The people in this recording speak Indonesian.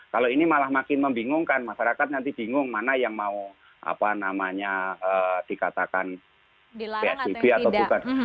kalau ini malah makin membingungkan masyarakat nanti bingung mana yang mau apa namanya dikatakan psbb atau bukan